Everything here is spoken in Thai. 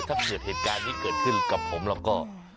ตื่นกับผมแล้วก็